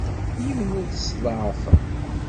Yiwen ur t-sseḍɛafeɣ.